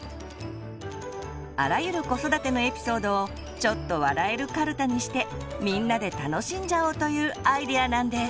あらゆる子育てのエピソードをちょっと笑えるカルタにしてみんなで楽しんじゃおうというアイデアなんです。